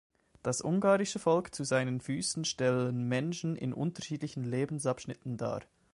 Das ungarische Volk zu seinen Füßen stellen Menschen in unterschiedlichen Lebensabschnitten dar.